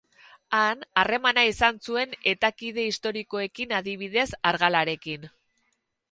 Han, harremana izan zuen etakide historikoekin, adibidez Argalarekin.